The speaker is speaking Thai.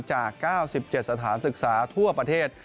จาก๙๗สถานศึกษาทั่วประเทศ